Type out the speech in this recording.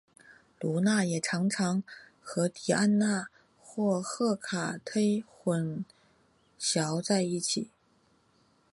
卢娜也常常和狄安娜或赫卡忒混淆在一起。